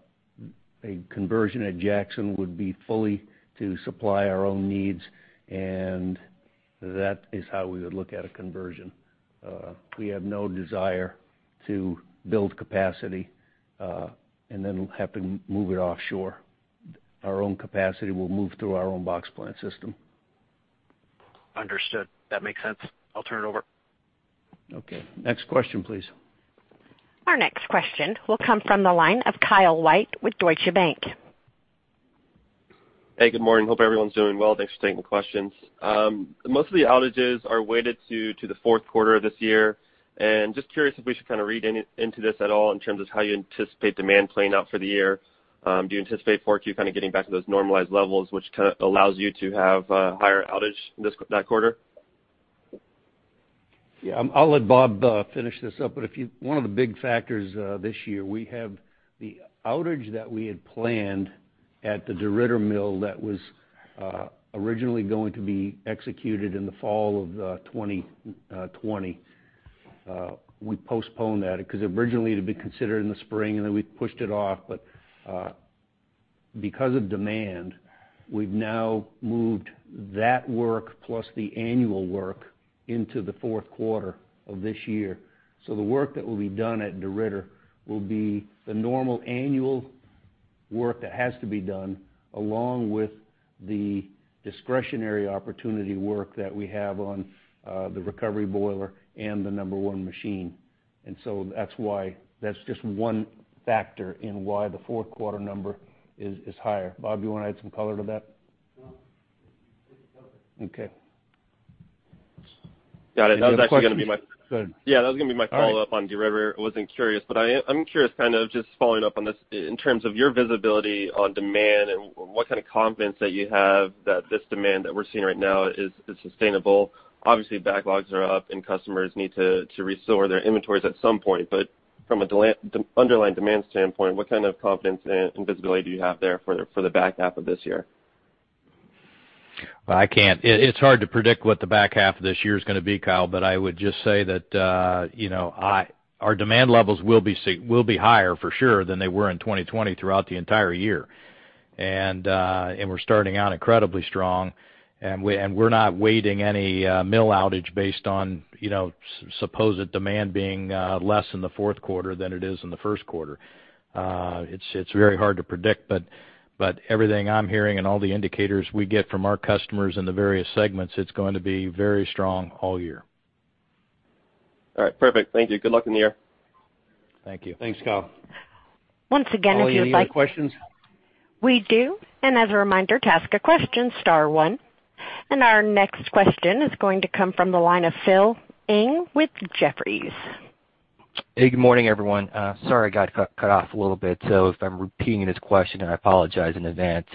conversion at Jackson would be fully to supply our own needs, and that is how we would look at a conversion. We have no desire to build capacity and then have to move it offshore. Our own capacity will move through our own box plant system. Understood. That makes sense. I'll turn it over. Okay. Next question, please. Our next question will come from the line of Kyle White with Deutsche Bank. Hey, good morning. Hope everyone's doing well. Thanks for taking the questions. Most of the outages are weighted to the fourth quarter of this year, and just curious if we should kind of read into this at all in terms of how you anticipate demand playing out for the year. Do you anticipate forward to kind of getting back to those normalized levels, which kind of allows you to have a higher outage that quarter? Yeah. I'll let Bob finish this up, but one of the big factors this year, we have the outage that we had planned at the DeRidder mill that was originally going to be executed in the fall of 2020. We postponed that because originally it had been considered in the spring, and then we pushed it off. But because of demand, we've now moved that work plus the annual work into the fourth quarter of this year, so the work that will be done at DeRidder will be the normal annual work that has to be done along with the discretionary opportunity work that we have on the recovery boiler and the number one machine, and so that's why that's just one factor in why the fourth quarter number is higher. Bob, do you want to add some color to that? Okay. Got it. That was actually going to be my. Go ahead. Yeah. That was going to be my follow-up on DeRidder. I wasn't curious. But I'm curious kind of just following up on this in terms of your visibility on demand and what kind of confidence that you have that this demand that we're seeing right now is sustainable. Obviously, backlogs are up, and customers need to restore their inventories at some point. But from an underlying demand standpoint, what kind of confidence and visibility do you have there for the back half of this year? I can't. It's hard to predict what the back half of this year is going to be, Kyle, but I would just say that our demand levels will be higher for sure than they were in 2020 throughout the entire year. We're starting out incredibly strong. We're not waiting any mill outage based on supposed demand being less in the fourth quarter than it is in the first quarter. It's very hard to predict. Everything I'm hearing and all the indicators we get from our customers in the various segments, it's going to be very strong all year. All right. Perfect. Thank you. Good luck in the year. Thank you. Thanks, Kyle. Once again, if you'd like. Oh, any questions? We do. And as a reminder, to ask a question, star one. And our next question is going to come from the line of Phil Ng with Jefferies. Hey, good morning, everyone. Sorry, I got cut off a little bit. So if I'm repeating his question, I apologize in advance.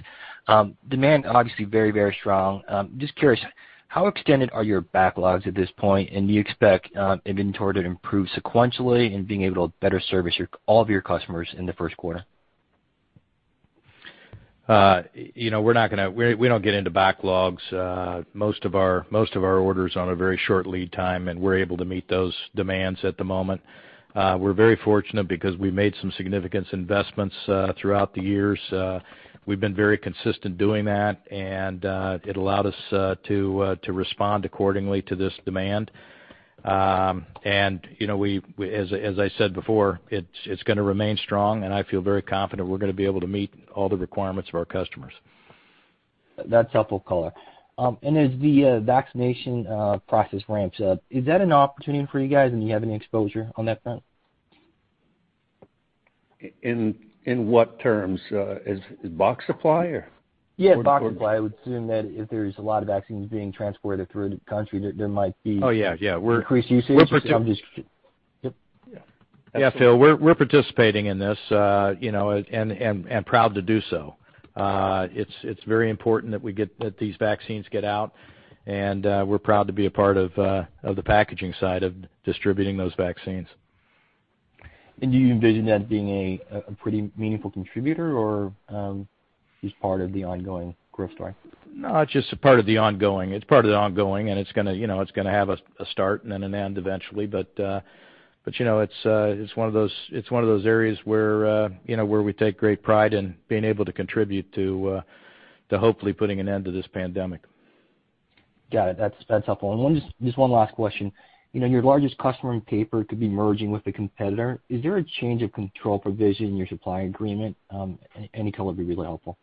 Demand, obviously, very, very strong. Just curious, how extended are your backlogs at this point? And do you expect inventory to improve sequentially in being able to better service all of your customers in the first quarter? We're not going to. We don't get into backlogs. Most of our orders are on a very short lead time, and we're able to meet those demands at the moment. We're very fortunate because we made some significant investments throughout the years. We've been very consistent doing that, and it allowed us to respond accordingly to this demand, and as I said before, it's going to remain strong, and I feel very confident we're going to be able to meet all the requirements of our customers. That's helpful, color. And as the vaccination process ramps up, is that an opportunity for you guys? And do you have any exposure on that front? In what terms? Is box supply or? Yeah, box supply. I would assume that if there's a lot of vaccines being transported through the country, there might be. Oh, yeah. Yeah. We're. Increased usage. We're participating. Yep. Yeah, Phil, we're participating in this and proud to do so. It's very important that these vaccines get out, and we're proud to be a part of the packaging side of distributing those vaccines. Do you envision that being a pretty meaningful contributor or just part of the ongoing growth story? No, it's just part of the ongoing. It's part of the ongoing, and it's going to have a start and then an end eventually. But it's one of those areas where we take great pride in being able to contribute to hopefully putting an end to this pandemic. Got it. That's helpful. And just one last question. Your largest customer in paper could be merging with a competitor. Is there a change of control provision in your supply agreement? Any color would be really helpful.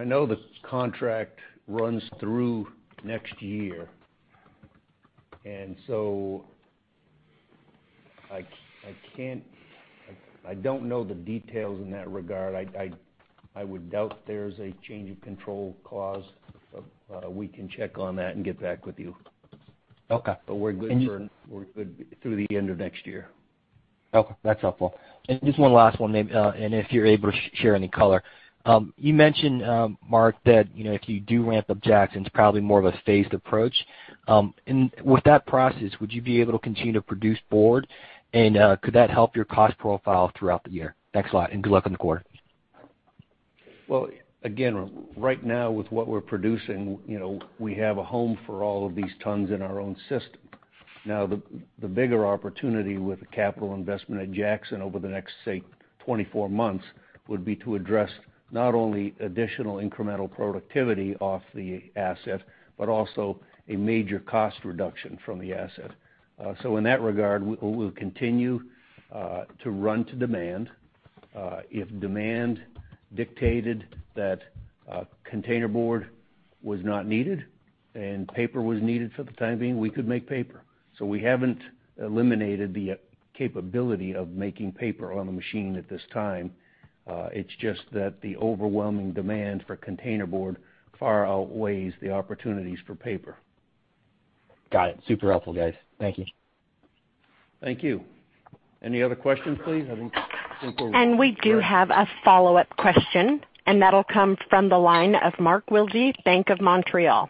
I know the contract runs through next year. And so I don't know the details in that regard. I would doubt there's a change of control clause. We can check on that and get back with you. Okay. But we're good through the end of next year. Okay. That's helpful. And just one last one, and if you're able to share any color. You mentioned, Mark, that if you do ramp up Jackson, it's probably more of a phased approach. And with that process, would you be able to continue to produce board, and could that help your cost profile throughout the year? Thanks a lot. And good luck in the quarter. Again, right now, with what we're producing, we have a home for all of these tons in our own system. Now, the bigger opportunity with the capital investment at Jackson over the next, say, 24 months would be to address not only additional incremental productivity off the asset, but also a major cost reduction from the asset. So in that regard, we'll continue to run to demand. If demand dictated that containerboard was not needed and paper was needed for the time being, we could make paper. So we haven't eliminated the capability of making paper on a machine at this time. It's just that the overwhelming demand for containerboard far outweighs the opportunities for paper. Got it. Super helpful, guys. Thank you. Thank you. Any other questions, please? I think we're. And we do have a follow-up question, and that'll come from the line of Mark Wilde, Bank of Montreal.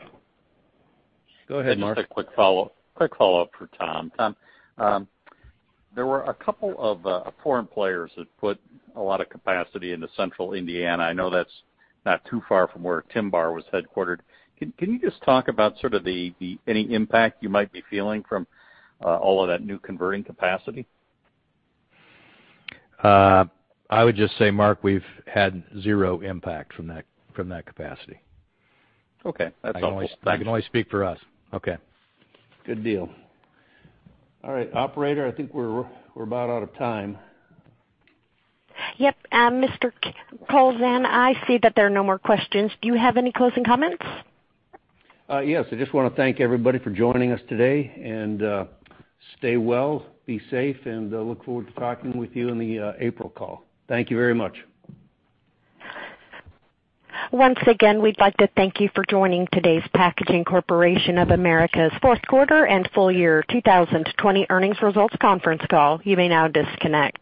Go ahead, Mark. Just a quick follow-up for Tom. Tom, there were a couple of foreign players that put a lot of capacity into Central Indiana. I know that's not too far from where TimBar was headquartered. Can you just talk about sort of any impact you might be feeling from all of that new converting capacity? I would just say, Mark, we've had zero impact from that capacity. Okay. That's helpful. I can only speak for us. Okay. Good deal. All right. Operator, I think we're about out of time. Yep. Mr. Kowlzan, I see that there are no more questions. Do you have any closing comments? Yes. I just want to thank everybody for joining us today, and stay well, be safe, and look forward to talking with you in the April call. Thank you very much. Once again, we'd like to thank you for joining today's Packaging Corporation of America's Fourth Quarter and Full year 2020 Earnings Results Conference Call. You may now disconnect.